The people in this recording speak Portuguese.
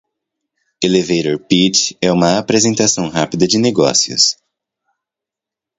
Elevator Pitch é uma apresentação rápida de negócios.